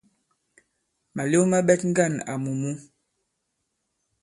Màlew ma ɓɛt ŋgân àmù mǔ.